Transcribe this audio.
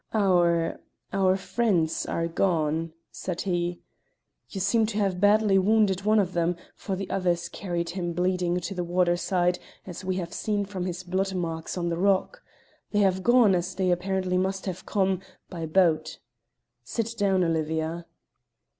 "Our our friends are gone," said he. "You seem to have badly wounded one of them, for the others carried him bleeding to the water side, as we have seen from his blood marks on the rock: they have gone, as they apparently must have come, by boat. Sit down, Olivia."